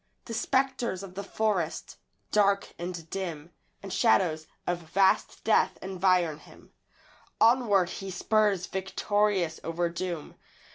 The spectres of the forest, dark and dim, And shadows of vast death environ him Onward he spurs victorious over doom.